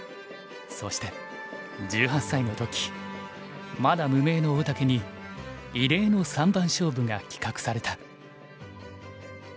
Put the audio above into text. そして１８歳の時まだ無名の大竹に異例の三番勝負が企画された。